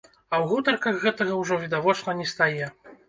А ў гутарках гэтага ўжо відавочна нестае.